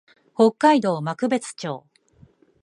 北海道幕別町